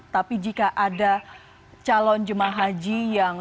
tapi jika ada calon jemaah haji yang